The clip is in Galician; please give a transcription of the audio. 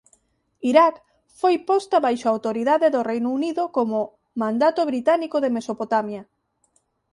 Iraq foi posta baixo a autoridade do Reino Unido como "Mandato británico de Mesopotamia".